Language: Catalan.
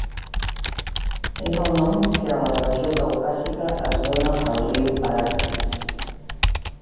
És el nom que a la regió caucàsica es dóna al riu Araxes.